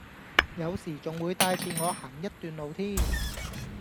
有時仲會帶住我行一段路添